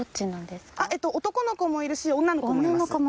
男の子もいるし女の子もいます。